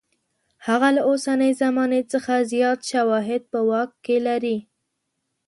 هغه له اوسنۍ زمانې څخه زیات شواهد په واک کې لري.